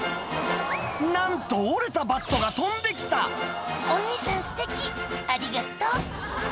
なんと折れたバットが飛んで来た「お兄さんステキ！ありがとう」